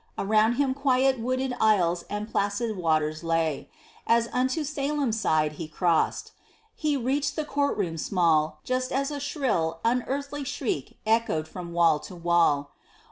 Around him quiet wooded isles and placid waters lay, As unto Salem Side he crossed. He reached the court room small, Just as a shrill, unearthly shriek echoed from wall to wall.